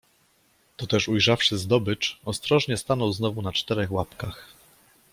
Toteż, ujrzawszy zdobycz, ostrożnie stanął znowu na czterech łapkach.